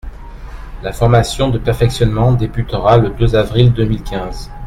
La formation de perfectionnement débutera le deux avril deux mille quinze.